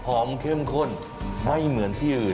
เข้มข้นไม่เหมือนที่อื่น